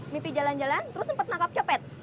mimpi jalan jalan terus sempet nangkep copet